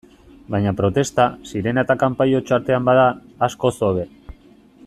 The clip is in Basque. Baina protesta, sirena eta kanpai hots artean bada, askoz hobe.